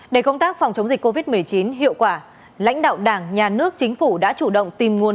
để công tác phòng chống dịch covid một mươi chín hiệu quả lãnh đạo đảng nhà nước chính phủ đã chủ động tìm nguồn